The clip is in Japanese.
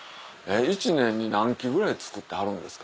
１年に何機ぐらい作ってはるんですか？